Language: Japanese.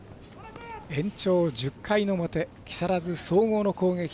延長１０回の表木更津総合の攻撃。